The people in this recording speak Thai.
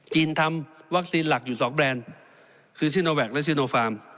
จีนทำวัคซีนหลักอยู่สองแบรนด์คือและ